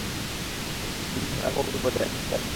আমরা ভয়াবহ বিপদে আছি, স্যার।